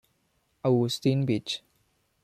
Augustine Beach.